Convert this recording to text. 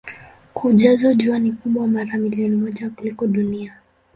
Kwa ujazo Jua ni kubwa mara milioni moja kuliko Dunia.